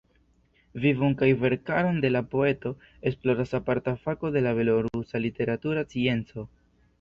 Vivon kaj verkaron de la poeto, esploras aparta fako de belorusa literatura scienco.